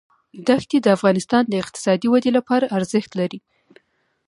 دښتې د افغانستان د اقتصادي ودې لپاره ارزښت لري.